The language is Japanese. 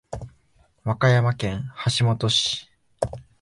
和歌山県橋本市